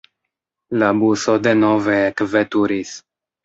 La buso denove ekveturis.